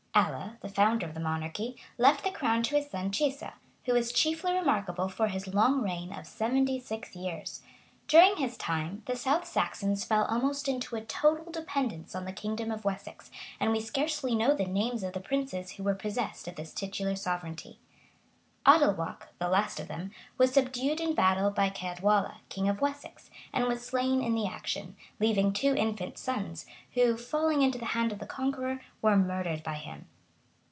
Ælla, the founder of the monarchy, left the crown to his son Cissa, who is chiefly remarkable for his long reign of seventy six years. During his time, the South Saxons fell almost into a total dependence on the kingdom of Wessex; and we scarcely know the names of the princes who were possessed of this titular sovereignty. Adelwalch, the last of them, was subdued in battle by Ceadwalla, king of Wessex, and was slain in the action; leaving two infant sons, who, falling into the hand of the conqueror, were murdered by him.